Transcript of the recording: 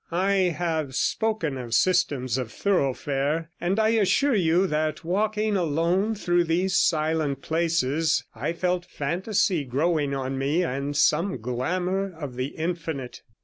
I have spoken of systems of thoroughfare, and I assure you that walking alone through these silent places I felt fantasy growing on me, and some glamour of the infinite.